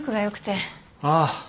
ああ。